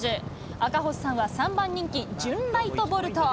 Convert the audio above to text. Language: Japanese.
赤星さんは３番人気、ジュンライトボルト。